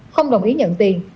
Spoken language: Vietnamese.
không đồng ý nhận tiền